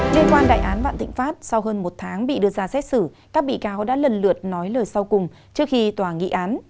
liên quan đại án vạn thịnh pháp sau hơn một tháng bị đưa ra xét xử các bị cáo đã lần lượt nói lời sau cùng trước khi tòa nghị án